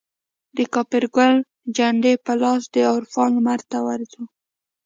دکاپرګل جنډې په لاس دعرفان لمرته ورځو